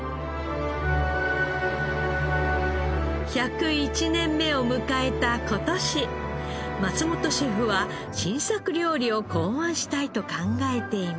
１０１年目を迎えた今年松本シェフは新作料理を考案したいと考えています。